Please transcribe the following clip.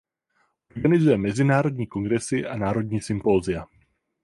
Organizuje mezinárodní kongresy a národní sympozia.